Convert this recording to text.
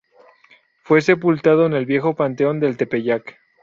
Fue sepultado en el viejo panteón del Tepeyac.